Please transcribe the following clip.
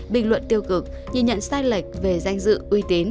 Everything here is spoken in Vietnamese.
bình luận tiêu cực nhìn nhận sai lệch về danh dự uy tín